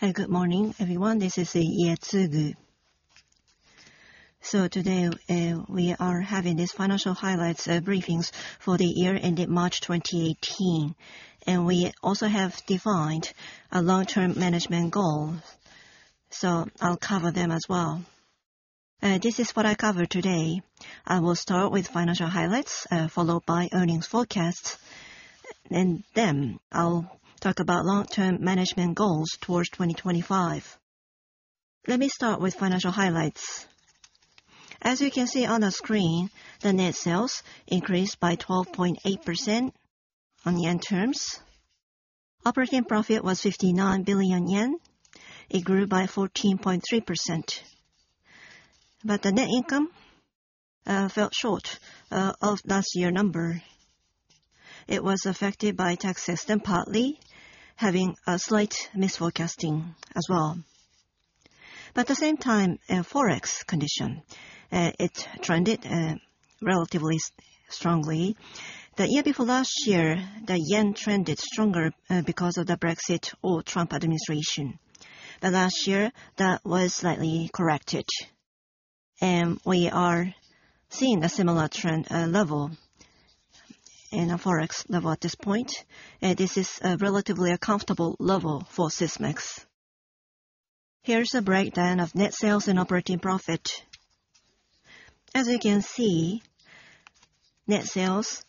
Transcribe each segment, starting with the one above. Good morning, everyone. This is Ietsugu. Today, we are having these financial highlights briefings for the year ending March 2018. We also have defined a long-term management goal. I'll cover them as well. This is what I'll cover today. I will start with financial highlights, followed by earnings forecasts. Then I'll talk about long-term management goals towards 2025. Let me start with financial highlights. As you can see on the screen, the net sales increased by 12.8% on yen terms. Operating profit was 59 billion yen. It grew by 14.3%. The net income fell short of last year's number. It was affected by tax system, partly, having a slight misforecasting as well. At the same time, Forex condition, it trended relatively strongly. The year before last year, the yen trended stronger because of the Brexit or Trump administration. Last year, that was slightly corrected. We are seeing a similar trend, level, in our Forex level at this point. This is a relatively comfortable level for Sysmex. Here is a breakdown of net sales and operating profit. As you can see, net sales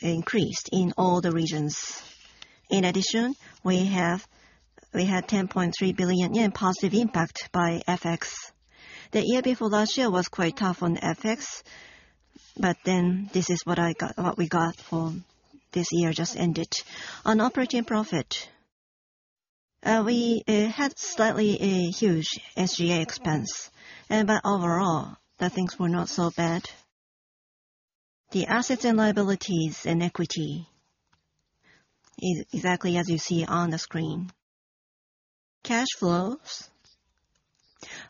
increased in all the regions. In addition, we had 10.3 billion yen positive impact by FX. The year before last year was quite tough on FX. This is what we got for this year just ended. On operating profit, we had slightly a huge SGA expense. Overall, the things were not so bad. The assets and liabilities and equity is exactly as you see on the screen. Cash flows.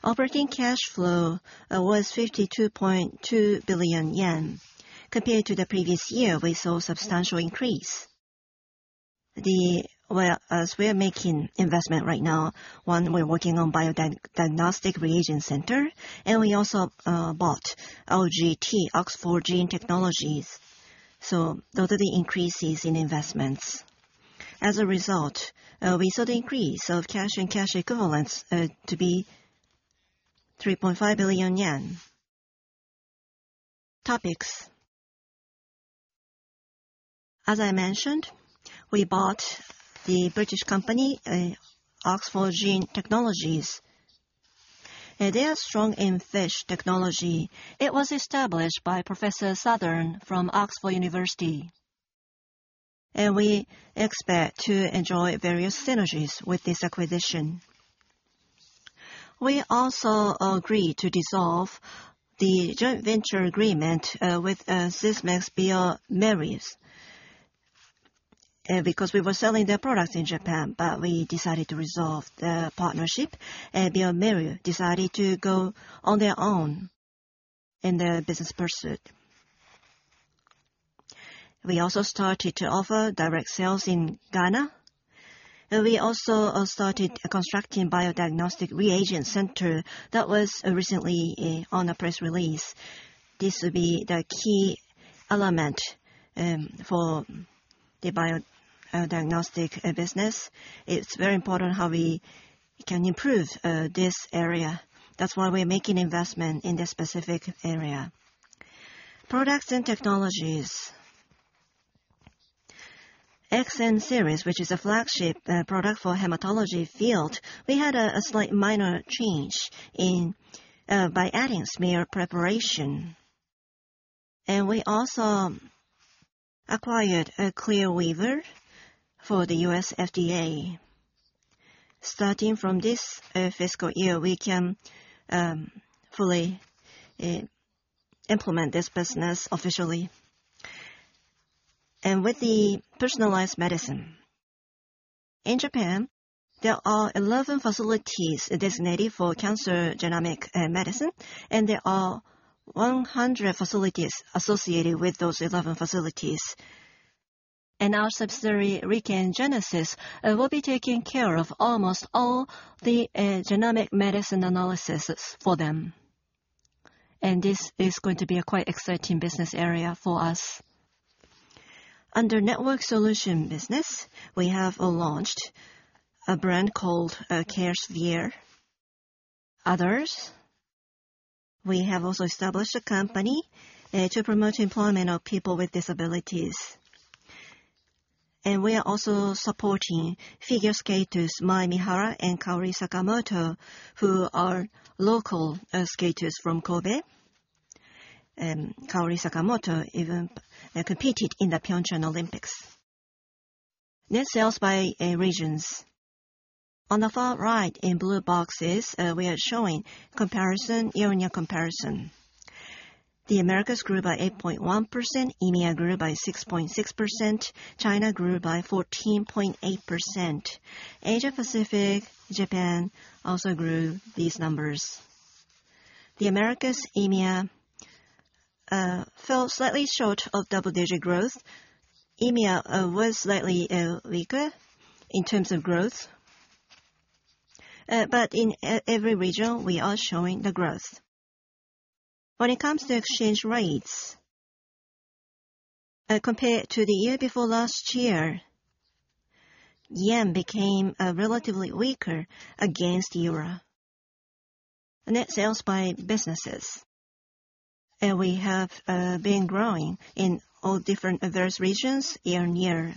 Operating cash flow was 52.2 billion yen. Compared to the previous year, we saw a substantial increase. As we are making investment right now, one, we're working on Bio-Diagnostic Reagent Center. We also bought OGT, Oxford Gene Technology. Those are the increases in investments. As a result, we saw the increase of cash and cash equivalents to be JPY 3.5 billion. Topics. As I mentioned, we bought the British company, Oxford Gene Technology. They are strong in FISH technology. It was established by Professor Southern from University of Oxford. We expect to enjoy various synergies with this acquisition. We also agreed to dissolve the joint venture agreement with Sysmex bioMérieux. We were selling their products in Japan. We decided to dissolve the partnership, and bioMérieux decided to go on their own in their business pursuit. We also started to offer direct sales in Ghana. We also started constructing a Bio-Diagnostic Reagent Center that was recently on a press release. This will be the key element for the bio-diagnostic business. It's very important how we can improve this area. That's why we're making investment in this specific area. Products and technologies. XN-Series, which is a flagship product for hematology field, we had a slight minor change by adding smear preparation. We also acquired a ClearView for the U.S. Food and Drug Administration. Starting from this fiscal year, we can fully implement this business officially. With the personalized medicine. In Japan, there are 11 facilities designated for cancer genomic medicine. There are 100 facilities associated with those 11 facilities. Our subsidiary, RIKEN GENESIS, will be taking care of almost all the genomic medicine analysis for them. This is going to be a quite exciting business area for us. Under network solution business, we have launched a brand called Caresphere. Others. We have also established a company to promote employment of people with disabilities. We are also supporting figure skaters Mai Mihara and Kaori Sakamoto, who are local skaters from Kobe. Kaori Sakamoto even competed in the Pyeongchang Olympics. Net sales by regions. On the far right, in blue boxes, we are showing year-on-year comparison. The Americas grew by 8.1%, EMEA grew by 6.6%, China grew by 14.8%. Asia Pacific, Japan also grew these numbers. The Americas, EMEA fell slightly short of double-digit growth. EMEA was slightly weaker in terms of growth. In every region, we are showing the growth. When it comes to exchange rates, compared to the year before last year, JPY became relatively weaker against EUR. Net sales by businesses. We have been growing in all different diverse regions year-on-year.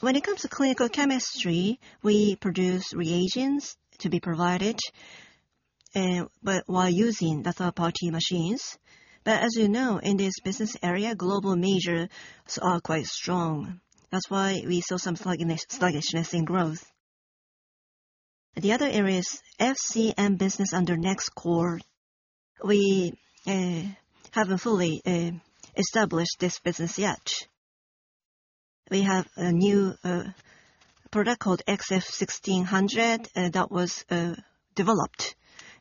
When it comes to clinical chemistry, we produce reagents to be provided, but while using the third-party machines. As you know, in this business area, global majors are quite strong. That's why we saw some sluggishness in growth. The other area is FCM business under NexCore. We haven't fully established this business yet. We have a new product called XF-1600 that was developed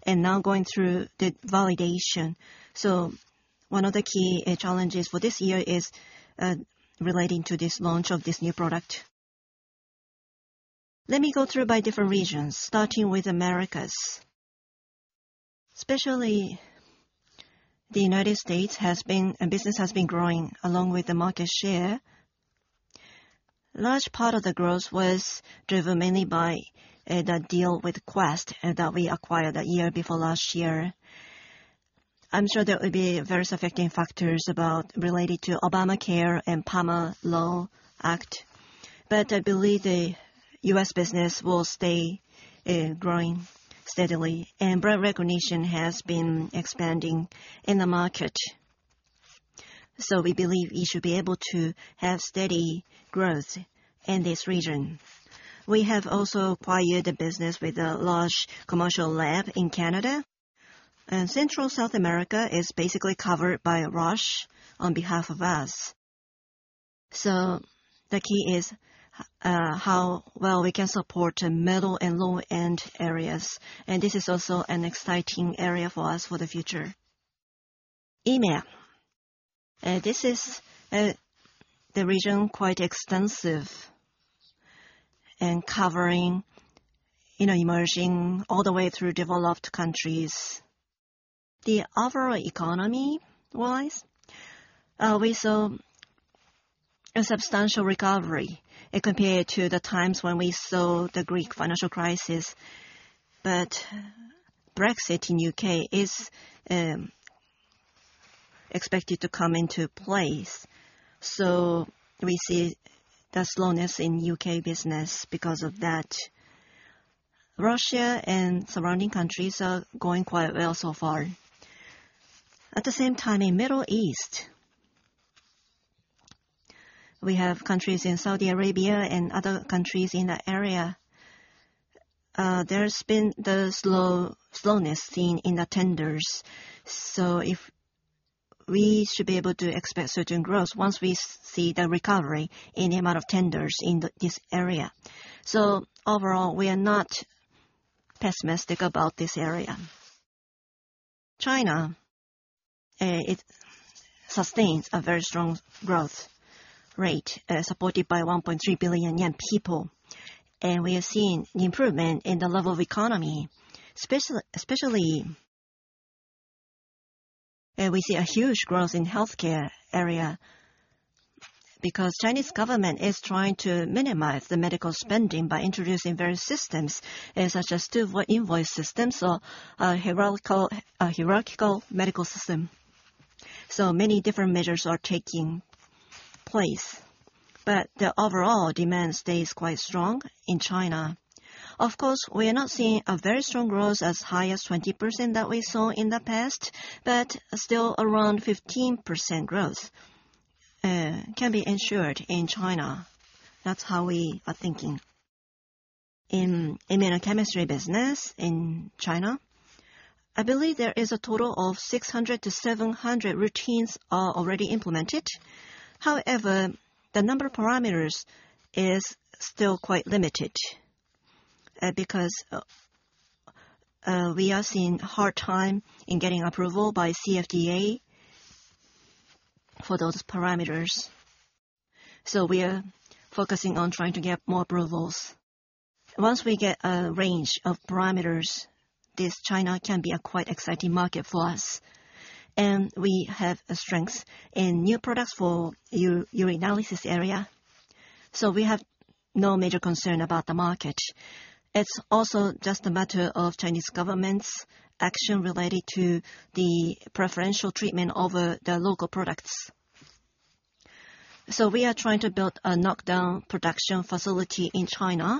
and now going through the validation. One of the key challenges for this year is relating to this launch of this new product. Let me go through by different regions, starting with Americas. Especially the United States, business has been growing along with the market share. Large part of the growth was driven mainly by the deal with Quest that we acquired the year before last year. I'm sure there will be various affecting factors about related to Obamacare and PAMA, but I believe the U.S. business will stay growing steadily, and brand recognition has been expanding in the market. We believe it should be able to have steady growth in this region. We have also acquired a business with a large commercial lab in Canada. Central South America is basically covered by Roche on behalf of us. The key is how well we can support middle and low-end areas, and this is also an exciting area for us for the future. EMEA. This is the region, quite extensive and covering emerging all the way through developed countries. The overall economy-wise, we saw a substantial recovery compared to the times when we saw the Greek financial crisis. Brexit in U.K. is expected to come into place, so we see the slowness in U.K. business because of that. Russia and surrounding countries are going quite well so far. At the same time, in Middle East, we have countries in Saudi Arabia and other countries in the area. There's been the slowness seen in the tenders. We should be able to expect certain growth once we see the recovery in the amount of tenders in this area. Overall, we are not pessimistic about this area. China. It sustains a very strong growth rate, supported by 1.3 billion people, and we have seen the improvement in the level of economy, especially, we see a huge growth in healthcare area because Chinese Government is trying to minimize the medical spending by introducing various systems, such as two-way referral system, a hierarchical medical system. Many different measures are taking place, but the overall demand stays quite strong in China. We are not seeing a very strong growth as high as 20% that we saw in the past, but still around 15% growth can be ensured in China. That's how we are thinking. In immunochemistry business in China, I believe there is a total of 600 to 700 routines are already implemented. The number of parameters is still quite limited, because we are seeing hard time in getting approval by CFDA for those parameters. We are focusing on trying to get more approvals. Once we get a range of parameters, this China can be a quite exciting market for us, and we have a strength in new products for urinalysis area. We have no major concern about the market. It's also just a matter of Chinese government's action related to the preferential treatment over the local products. We are trying to build a knockdown production facility in China.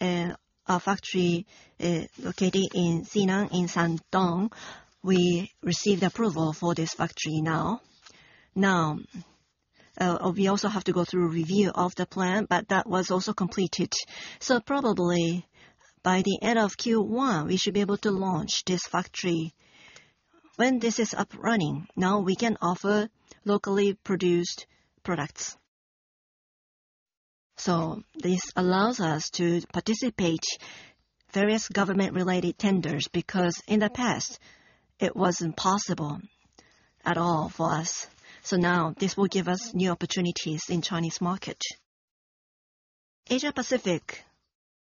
Our factory located in Jinan in Shandong, we received approval for this factory now. We also have to go through review of the plan, but that was also completed. Probably by the end of Q1, we should be able to launch this factory. When this is up running, now we can offer locally produced products. This allows us to participate various government related tenders, because in the past, it wasn't possible at all for us. This will give us new opportunities in Chinese market. Asia Pacific.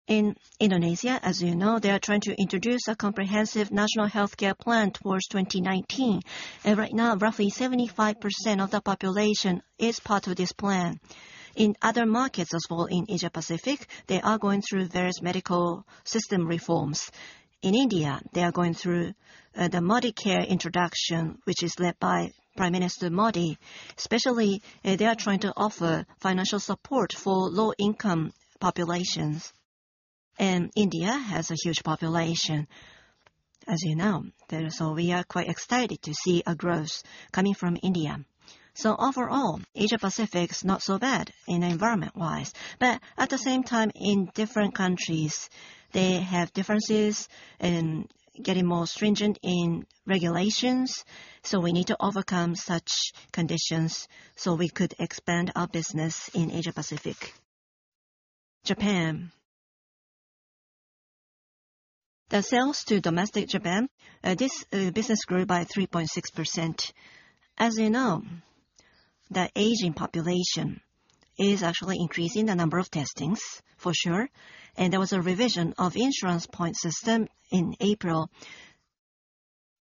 In Indonesia, as you know, they are trying to introduce a comprehensive national healthcare plan towards 2019. Right now, roughly 75% of the population is part of this plan. In other markets as well in Asia Pacific, they are going through various medical system reforms. In India, they are going through the Modicare introduction, which is led by Prime Minister Modi, especially, they are trying to offer financial support for low income populations. India has a huge population, as you know. We are quite excited to see a growth coming from India. Overall, Asia Pacific is not so bad in environment wise, but at the same time in different countries, they have differences in getting more stringent in regulations. We need to overcome such conditions so we could expand our business in Asia Pacific. Japan. The sales to domestic Japan, this business grew by 3.6%. As you know, the aging population is actually increasing the number of testings for sure. There was a revision of insurance point system in April.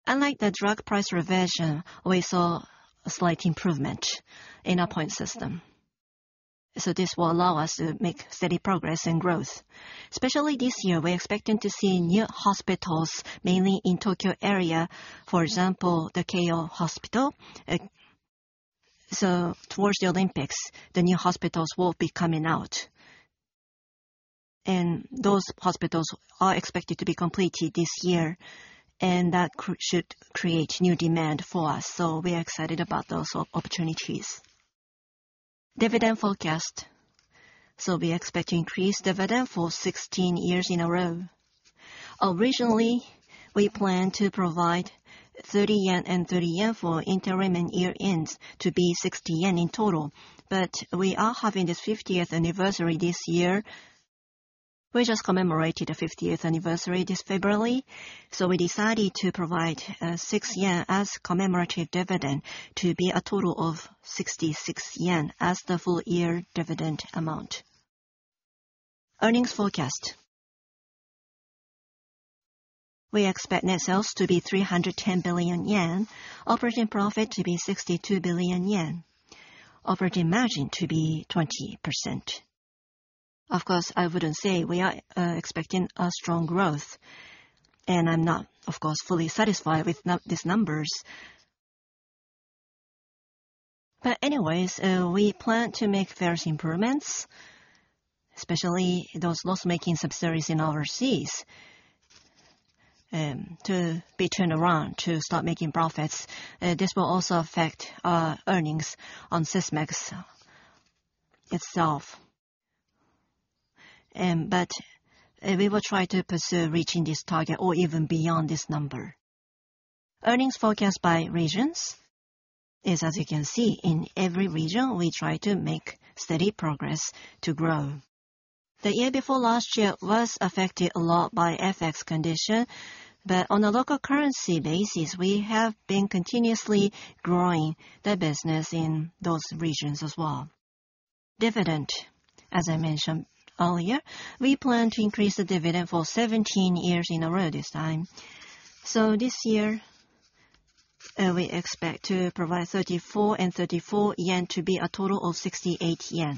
Unlike the drug price revision, we saw a slight improvement in our point system. This will allow us to make steady progress and growth. Especially this year, we are expecting to see new hospitals, mainly in Tokyo area, for example, the Keio Hospital. Towards the Olympics, the new hospitals will be coming out, and those hospitals are expected to be completed this year, and that should create new demand for us. We are excited about those opportunities. Dividend forecast. We expect to increase dividend for 16 years in a row. Originally, we planned to provide 30 yen and 30 yen for interim and year-ends to be 60 yen in total. We are having this 50th anniversary this year. We just commemorated the 50th anniversary this February. We decided to provide 6 yen as commemorative dividend to be a total of 66 yen as the full year dividend amount. Earnings forecast. We expect net sales to be 310 billion yen, operating profit to be 62 billion yen, operating margin to be 20%. Of course, I wouldn't say we are expecting a strong growth, and I'm not, of course, fully satisfied with these numbers. Anyways, we plan to make various improvements, especially those loss-making subsidiaries in overseas, to be turned around to start making profits. This will also affect our earnings on Sysmex itself. We will try to pursue reaching this target or even beyond this number. Earnings forecast by regions is, as you can see, in every region, we try to make steady progress to grow. The year before last year was affected a lot by FX condition, on a local currency basis, we have been continuously growing the business in those regions as well. Dividend. As I mentioned earlier, we plan to increase the dividend for 17 years in a row this time. This year, we expect to provide 34 JPY and 34 yen to be a total of 68 yen.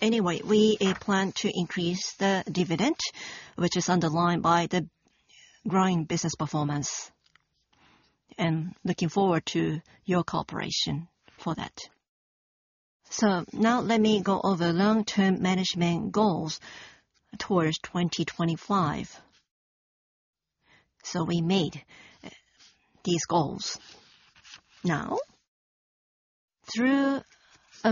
Anyway, we plan to increase the dividend, which is underlined by the growing business performance, and looking forward to your cooperation for that. Now let me go over long-term management goals towards 2025. We made these goals. Now, through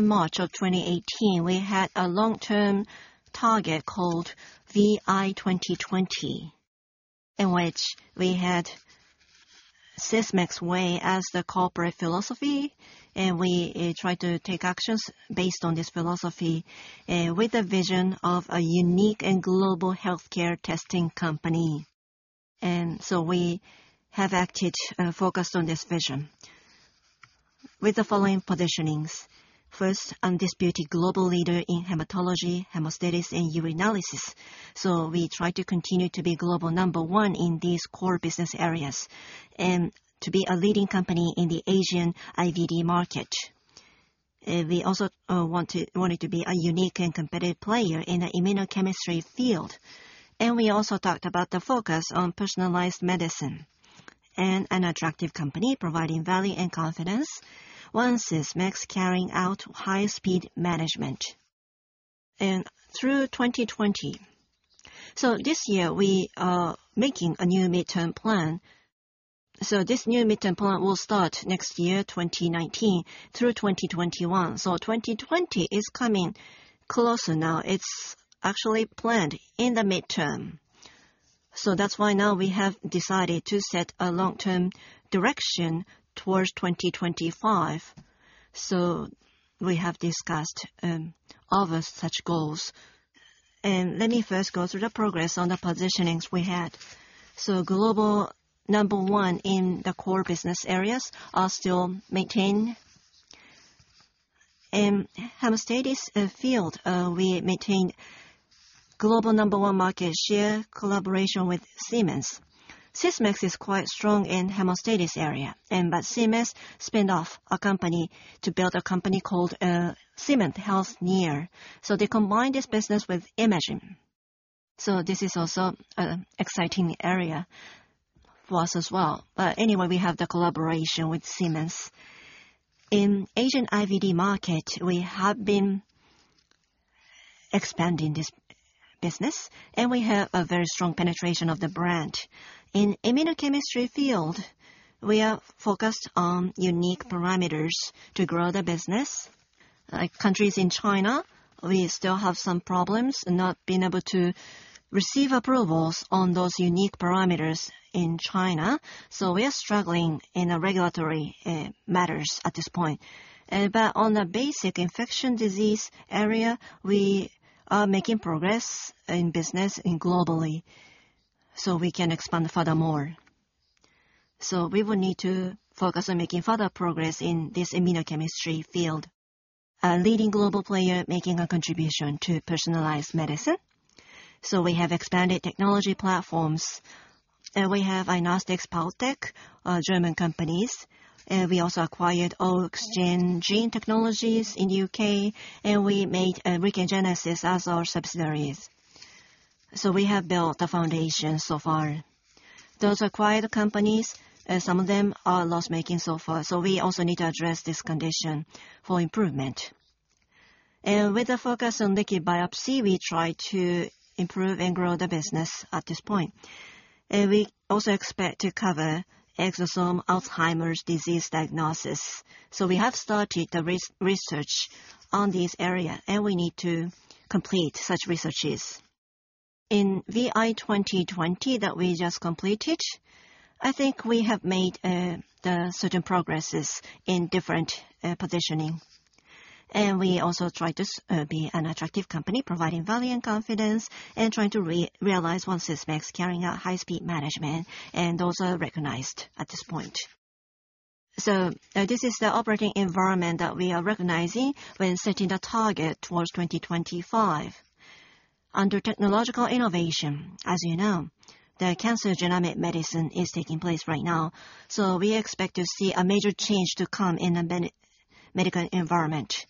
March 2018, we had a long-term target called VI2020, in which we had Sysmex Way as the corporate philosophy, and we tried to take actions based on this philosophy with the vision of a unique and global healthcare testing company. We have acted focused on this vision with the following positionings. First, undisputed global leader in hematology, hemostasis, and urinalysis. We try to continue to be global number 1 in these core business areas and to be a leading company in the Asian IVD market. We also wanted to be a unique and competitive player in the immunochemistry field. We also talked about the focus on personalized medicine and an attractive company providing value and confidence. One Sysmex carrying out high-speed management. Through 2020. This year we are making a new midterm plan. This new midterm plan will start next year, 2019 through 2021. 2020 is coming closer now. It's actually planned in the midterm. That is why now we have decided to set a long-term direction towards 2025. We have discussed all of such goals. Let me first go through the progress on the positionings we had. Global number 1 in the core business areas are still maintained. In hemostasis field, we maintained global number 1 market share collaboration with Siemens. Sysmex is quite strong in hemostasis area. Siemens spun off a company to build a company called Siemens Healthineers. They combine this business with imaging. This is also an exciting area for us as well. Anyway, we have the collaboration with Siemens. In Asian IVD market, we have been expanding this business, and we have a very strong penetration of the brand. In immunochemistry field, we are focused on unique parameters to grow the business. Like countries in China, we still have some problems not being able to receive approvals on those unique parameters in China, we are struggling in regulatory matters at this point. On a basic infection disease area, we are making progress in business globally, we can expand furthermore. We will need to focus on making further progress in this immunochemistry field. A leading global player making a contribution to personalized medicine. We have expanded technology platforms. We have Inostics, Partec, a German company. We also acquired Oxford Gene Technology in the U.K., and we made RIKEN GENESIS as our subsidiaries. We have built the foundation so far. Those acquired companies, some of them are loss-making so far. We also need to address this condition for improvement. With the focus on liquid biopsy, we try to improve and grow the business at this point. We also expect to cover exosome Alzheimer's disease diagnosis. We have started the research on this area, and we need to complete such researches. In VI 2020 that we just completed, I think we have made certain progresses in different positioning. We also try to be an attractive company providing value and confidence and trying to realize One Sysmex, carrying out high-speed management, and those are recognized at this point. This is the operating environment that we are recognizing when setting the target towards 2025. Under technological innovation, as you know, the cancer genomic medicine is taking place right now. We expect to see a major change to come in the medical environment,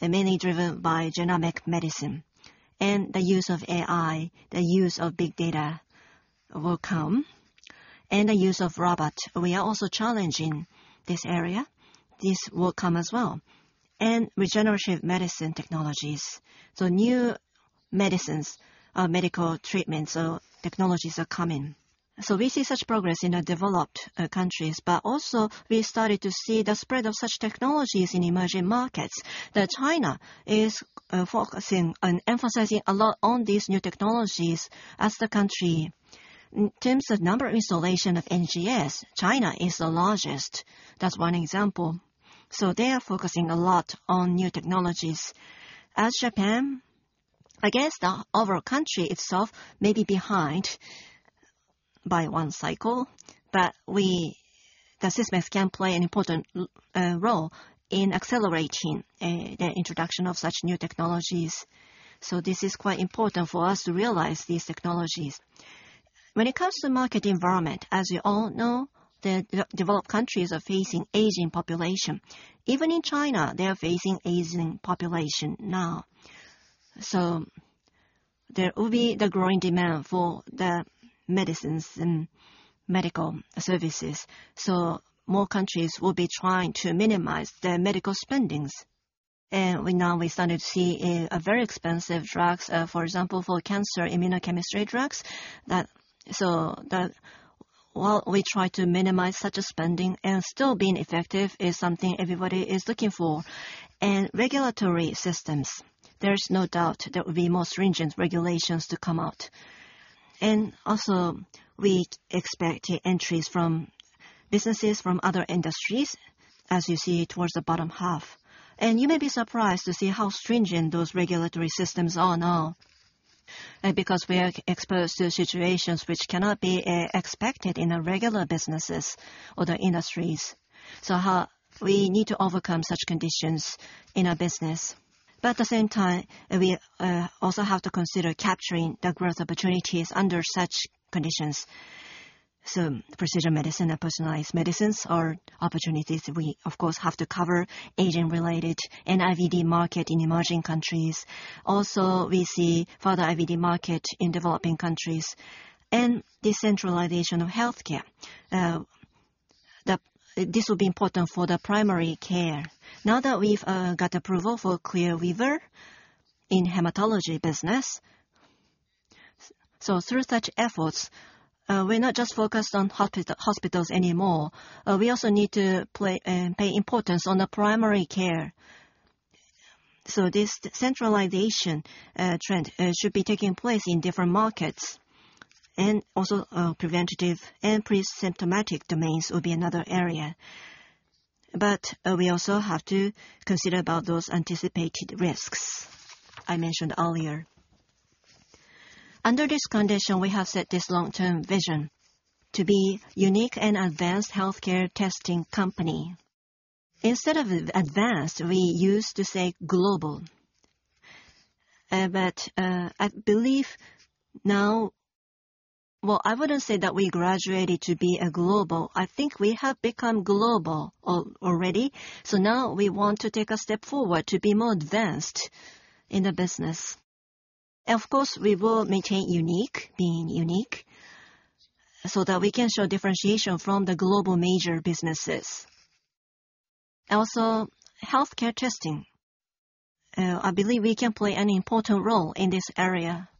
mainly driven by genomic medicine. The use of AI, the use of big data will come, and the use of robot. We are also challenging this area. This will come as well. Regenerative medicine technologies. New medicines, medical treatments, or technologies are coming. We see such progress in the developed countries, also, we started to see the spread of such technologies in emerging markets. China is focusing on emphasizing a lot on these new technologies as the country. In terms of number installation of NGS, China is the largest. That's one example. They are focusing a lot on new technologies. As Japan, I guess the overall country itself may be behind by one cycle, the Sysmex can play an important role in accelerating the introduction of such new technologies. This is quite important for us to realize these technologies. When it comes to market environment, as you all know, the developed countries are facing aging population. Even in China, they are facing aging population now. There will be the growing demand for the medicines and medical services. More countries will be trying to minimize their medical spendings. Now we started to see very expensive drugs, for example, for cancer immunochemistry drugs. While we try to minimize such a spending and still being effective is something everybody is looking for. Regulatory systems, there's no doubt there will be more stringent regulations to come out. Also, we expect entries from businesses from other industries, as you see towards the bottom half. You may be surprised to see how stringent those regulatory systems are now, because we are exposed to situations which cannot be expected in regular businesses or other industries. We need to overcome such conditions in our business. At the same time, we also have to consider capturing the growth opportunities under such conditions. Precision medicine and personalized medicines are opportunities we, of course, have to cover. Aging-related and IVD market in emerging countries. We see further IVD market in developing countries. Decentralization of healthcare. This will be important for the primary care. We've got approval for ClearViewR in hematology business. Through such efforts, we're not just focused on hospitals anymore. We also need to pay importance on the primary care. This centralization trend should be taking place in different markets, and also preventative and pre-symptomatic domains will be another area. We also have to consider about those anticipated risks I mentioned earlier. Under this condition, we have set this long-term vision to be unique and advanced healthcare testing company. Instead of advanced, we used to say global. I believe now Well, I wouldn't say that we graduated to be a global. I think we have become global already. Now we want to take a step forward to be more advanced in the business. Of course, we will maintain unique, being unique, so that we can show differentiation from the global major businesses. Healthcare testing, I believe we can play an important role in this area.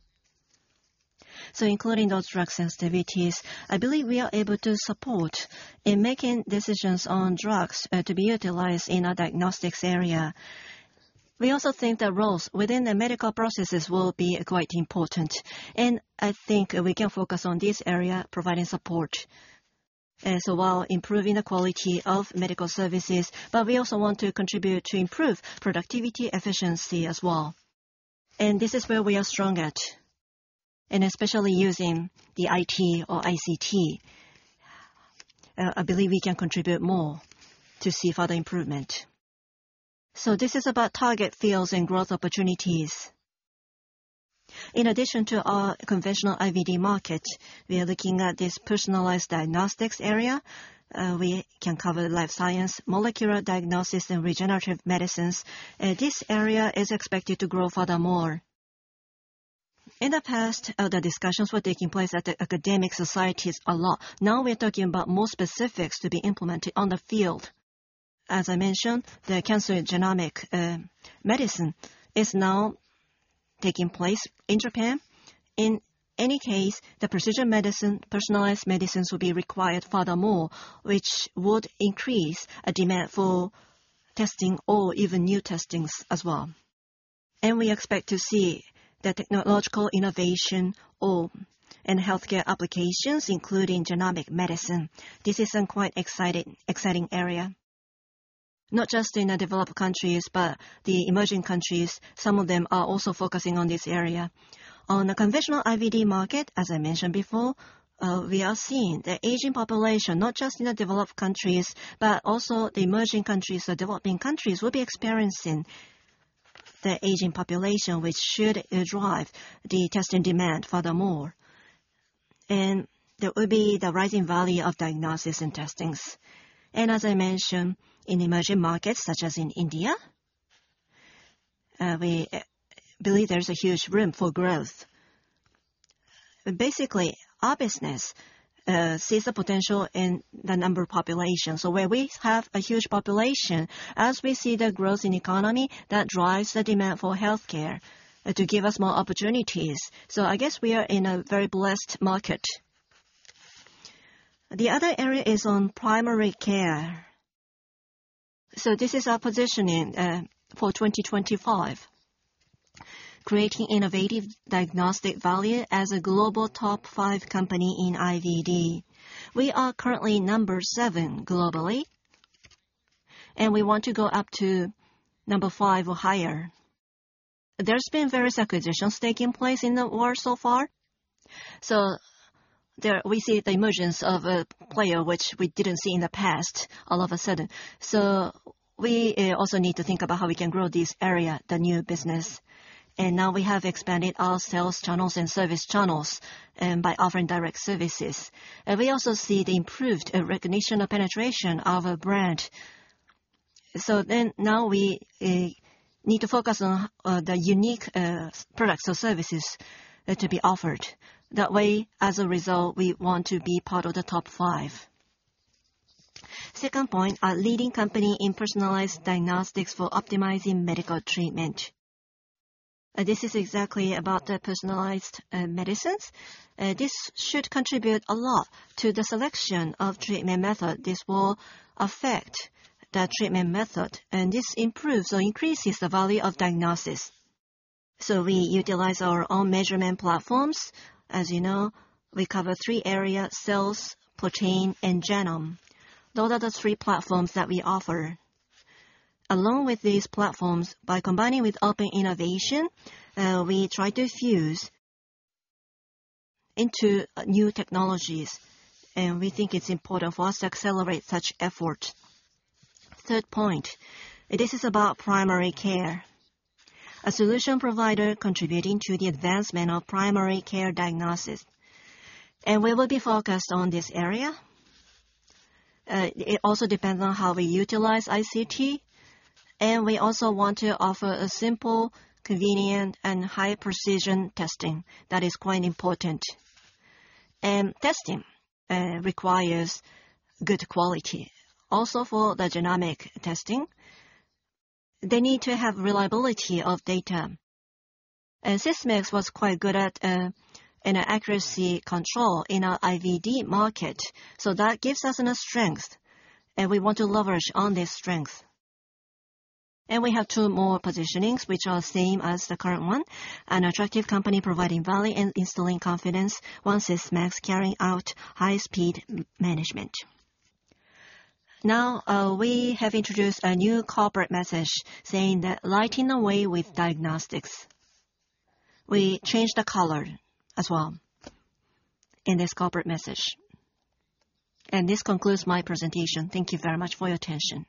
Including those drug sensitivities, I believe we are able to support in making decisions on drugs to be utilized in our diagnostics area. We also think that roles within the medical processes will be quite important, and I think we can focus on this area, providing support. While improving the quality of medical services, but we also want to contribute to improve productivity efficiency as well. This is where we are strong at. Especially using the IT or ICT, I believe we can contribute more to see further improvement. This is about target fields and growth opportunities. In addition to our conventional IVD market, we are looking at this personalized diagnostics area. We can cover life science, molecular diagnosis, and regenerative medicines. This area is expected to grow furthermore. In the past, the discussions were taking place at the academic societies a lot. Now we're talking about more specifics to be implemented on the field. As I mentioned, the cancer genomic medicine is now taking place in Japan. In any case, the precision medicine, personalized medicines will be required furthermore, which would increase a demand for testing or even new testings as well. We expect to see the technological innovation in healthcare applications, including genomic medicine. This is a quite exciting area. Not just in the developed countries, but the emerging countries, some of them are also focusing on this area. On the conventional IVD market, as I mentioned before, we are seeing the aging population, not just in the developed countries, but also the emerging countries, the developing countries, will be experiencing the aging population, which should drive the testing demand furthermore. There will be the rising value of diagnosis and testings. As I mentioned, in emerging markets such as in India, we believe there's a huge room for growth. Basically, our business sees the potential in the number population. Where we have a huge population, as we see the growth in economy, that drives the demand for healthcare to give us more opportunities. I guess we are in a very blessed market. The other area is on primary care. This is our positioning for 2025, creating innovative diagnostic value as a global top five company in IVD. We are currently number seven globally, we want to go up to number five or higher. There's been various acquisitions taking place in the world so far. We see the emergence of a player which we didn't see in the past all of a sudden. We also need to think about how we can grow this area, the new business. Now we have expanded our sales channels and service channels by offering direct services. We also see the improved recognition or penetration of a brand. Now we need to focus on the unique products or services to be offered. That way, as a result, we want to be part of the top five. Second point, a leading company in personalized diagnostics for optimizing medical treatment. This is exactly about the personalized medicine. This should contribute a lot to the selection of treatment method. This will affect the treatment method, this improves or increases the value of diagnosis. We utilize our own measurement platforms. As you know, we cover three areas: cells, protein, and genome. Those are the three platforms that we offer. Along with these platforms, by combining with open innovation, we try to fuse into new technologies, we think it's important for us to accelerate such effort. Third point, this is about primary care. A solution provider contributing to the advancement of primary care diagnosis. We will be focused on this area. It also depends on how we utilize ICT, we also want to offer a simple, convenient, and high-precision testing. That is quite important. Testing requires good quality. Also for the genomic testing, they need to have reliability of data. Sysmex was quite good at accuracy control in our IVD market, that gives us a strength, we want to leverage on this strength. We have two more positionings, which are same as the current one. An attractive company providing value and instilling confidence. One Sysmex carrying out high-speed management. Now, we have introduced a new corporate message saying that lighting the way with diagnostics. We changed the color as well in this corporate message. This concludes my presentation. Thank you very much for your attention.